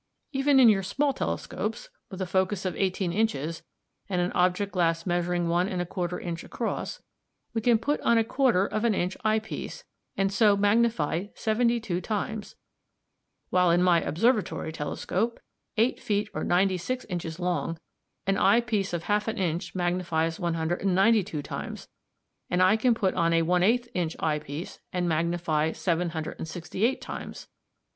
Even in your small telescopes, with a focus of eighteen inches, and an object glass measuring one and a quarter inch across, we can put on a quarter of an inch eye piece, and so magnify seventy two times; while in my observatory telescope, eight feet or ninety six inches long, an eye piece of half an inch magnifies 192 times, and I can put on a 1/8 inch eye piece and magnify 768 times!